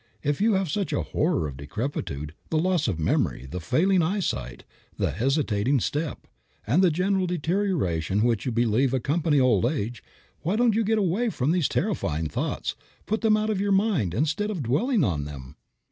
If you have such a horror of the decrepitude, the loss of memory, the failing eyesight, the hesitating step, and the general deterioration which you believe accompany old age, why don't you get away from these terrifying thoughts, put them out of your mind instead of dwelling on them?